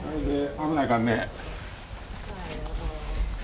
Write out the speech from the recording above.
危ないかんね。